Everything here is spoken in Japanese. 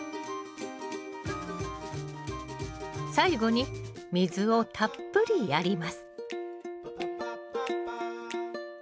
最後に水をたっぷりやります